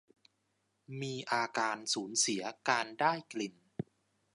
มีอาการสูญเสียการได้กลิ่น